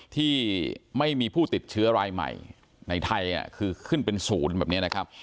ที่ไม่มีผู้ติดเชื้อรายใหม่ในไทยคือขึ้นเป็นศูนย์แบบนี้นะครับ